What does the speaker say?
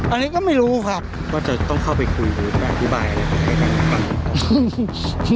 อันนี้ก็ไม่รู้ค่ะว่าจะต้องเข้าไปคุยหรือแบบอธิบายอันนี้ให้กันหรือเปล่า